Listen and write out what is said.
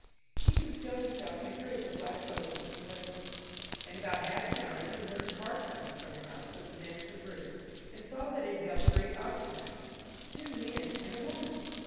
He concealed himself in a group of black locusts and waited. In about half an hour he heard a car coming from the house with the mansard roof, and saw that it held three occupants, two men and a woman.